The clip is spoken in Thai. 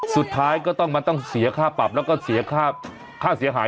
สุดท้ายก็ต้องมันต้องเสียค่าปรับแล้วก็เสียค่าเสียหาย